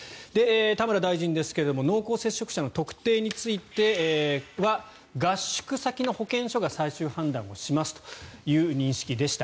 田村大臣ですが濃厚接触者の特定については合宿先の保健所が最終判断をしますという認識でした。